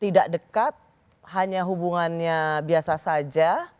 tidak dekat hanya hubungannya biasa saja